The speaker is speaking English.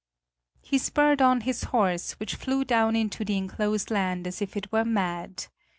He spurred on his horse, which flew down into the enclosed land as if it were mad.